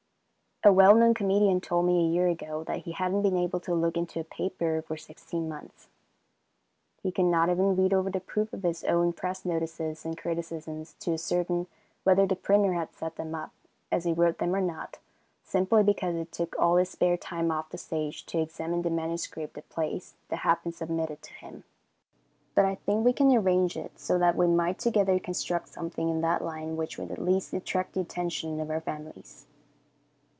A well known comedian told me a year ago that he hadn't been able to look into a paper for sixteen months. He could not even read over the proof of his own press notices and criticisms, to ascertain whether the printer had set them up as he wrote them or not, simply because it took all his spare time off the stage to examine the manuscripts of plays that had been submitted to him. But I think we could arrange it so that we might together construct something in that line which would at least attract the attention of our families.